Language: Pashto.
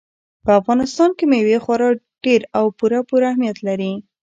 په افغانستان کې مېوې خورا ډېر او پوره پوره اهمیت لري.